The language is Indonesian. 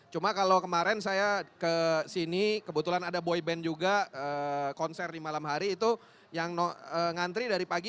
cuma kalau kemarin saya kesini kebetulan ada boy band juga konser di malam hari itu yang ngantri dari pagi